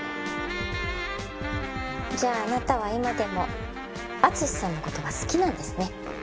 じゃああなたは今でも淳史さんの事が好きなんですね。